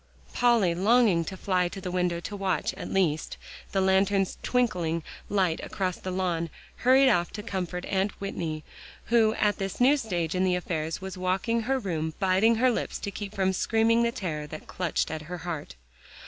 Polly, longing to fly to the window to watch, at least, the lantern's twinkling light across the lawn, hurried off to comfort Aunt Whitney, who at this new stage in the affairs, was walking her room, biting her lips to keep from screaming the terror that clutched at her heart.